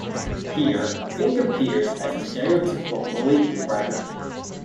Here, Fink appears as the stereotypical bully and braggart.